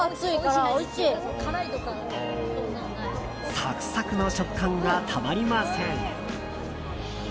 サクサクの食感がたまりません。